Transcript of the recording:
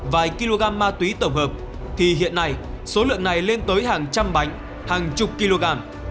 vài kg ma túy tổng hợp thì hiện nay số lượng này lên tới hàng trăm bánh hàng chục kg